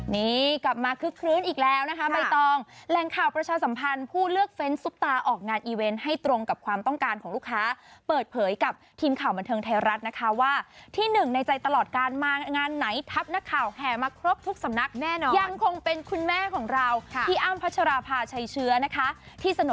นี่กลับมาคึกคลื้นอีกแล้วนะคะใบตองแหล่งข่าวประชาสัมพันธ์ผู้เลือกเฟ้นซุปตาออกงานอีเวนต์ให้ตรงกับความต้องการของลูกค้าเปิดเผยกับทีมข่าวบันเทิงไทยรัฐนะคะว่าที่หนึ่งในใจตลอดการมางานไหนทัพนักข่าวแห่มาครบทุกสำนักแน่นอนยังคงเป็นคุณแม่ของเราพี่อ้ำพัชราภาชัยเชื้อนะคะที่สน